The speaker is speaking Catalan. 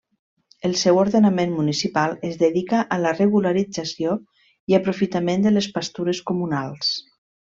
El seu ordenament municipal es dedica a la regularització i aprofitament de les pastures comunals.